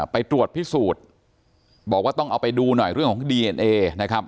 ไปตรวจพิสูจน์บอกว่าต้องเอาไปดูหน่อยเรื่องของดีเอ็นเอนะครับ